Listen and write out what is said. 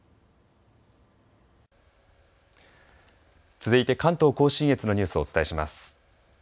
続いて関東甲信越のニュースをお伝えします。